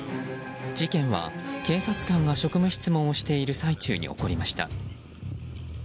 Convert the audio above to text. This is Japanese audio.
事件は警察官が職務質問をしている最中に起こりました。